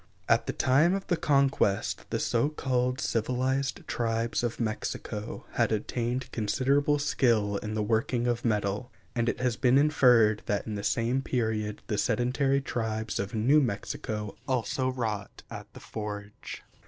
At the time of the Conquest the so called civilized tribes of Mexico had attained considerable skill in the working of metal, and it has been inferred that in the same period the sedentary tribes of New Mexico also wrought at the forge.